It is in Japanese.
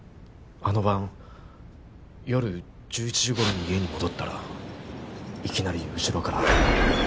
あの晩夜１１時頃に家に戻ったらいきなり後ろから。